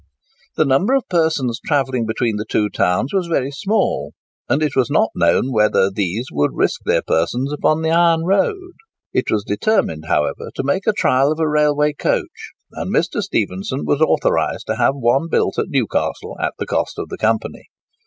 The number of persons travelling between the two towns was very small; and it was not known whether these would risk their persons upon the iron road. It was determined, however, to make trial of a railway coach; and Mr. Stephenson was authorised to have one built at Newcastle, at the cost of the company.